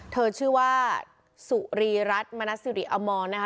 เธอชื่อว่าสุรีรัฐมนัสสิริอมรนะคะ